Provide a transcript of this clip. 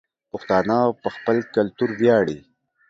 پښتانه په خپل کلتور وياړي